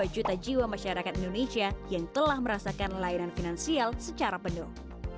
dua juta jiwa masyarakat indonesia yang telah merasakan layanan finansial secara penuh